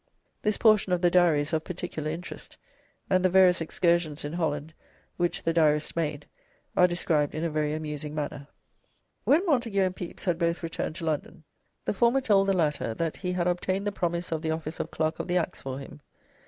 This portion of the Diary is of particular interest, and the various excursions in Holland which the Diarist made are described in a very amusing manner. When Montagu and Pepys had both returned to London, the former told the latter that he had obtained the promise of the office of Clerk of the Acts for him.